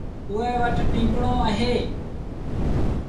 اُئي وٽ ٽپڻو اهي۔